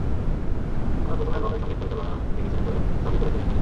আমার প্রথম অ্যালবামের সংগীত পরিচালনা থেকে শুরু করে সবই করেছিলেন তিনি।